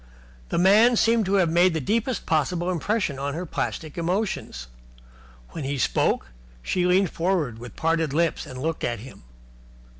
The man seemed to have made the deepest possible impression upon her plastic emotions. When he spoke, she leaned forward with parted lips and looked at him.